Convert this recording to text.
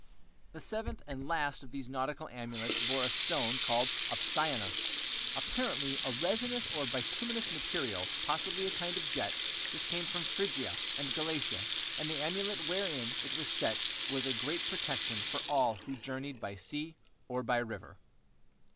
The seventh and last of these nautical amulets bore a stone called opsianos, apparently a resinous or bituminous material, possibly a kind of jet; this came from Phrygia and Galatia, and the amulet wherein it was set was a great protection for all who journeyed by sea or by river.